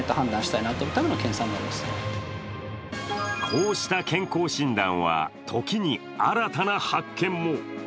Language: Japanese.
こうした健康診断は時に新たな発見も。